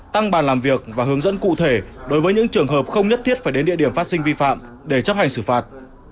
tăng bàn làm việc và hướng dẫn cụ thể đối với những trường hợp không nhất thiết phải đến địa điểm phát sinh vi phạm để chấp hành xử phạt